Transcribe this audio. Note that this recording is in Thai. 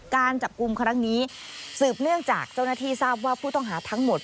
การจับกลุ่มครั้งนี้สืบเนื่องจากเจ้าหน้าที่ทราบว่าผู้ต้องหาทั้งหมด